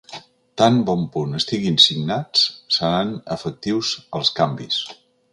Tant bon punt estiguin signats, seran efectius els canvis.